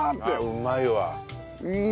うまいわ。